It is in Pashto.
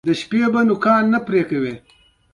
د یو کال لپاره د کارخانې مصارف څلوېښت زره افغانۍ کېږي